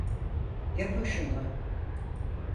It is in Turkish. Yapın şunu!